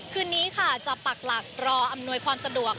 คืนนี้ค่ะจะปักหลักรออำนวยความสะดวก